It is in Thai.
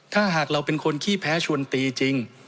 ถ้าหากเราเป็นคนขี้แพ้ชวนตีจริง